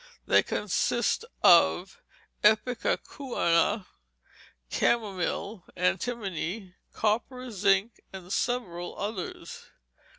They consist of ipecacuanha, camomile, antimony, copper, zinc, and several others.